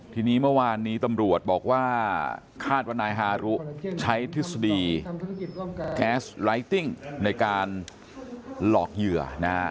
ทีนี้เมื่อวานนี้ตำรวจบอกว่าคาดว่านายฮารุใช้ทฤษฎีแก๊สไลติ้งในการหลอกเหยื่อนะฮะ